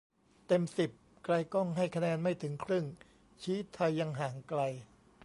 เต็มสิบ "ไกลก้อง" ให้คะแนนไม่ถึงครึ่ง ชี้ไทยยังห่างไกล